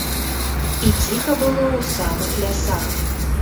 І ціха было ў самых лясах.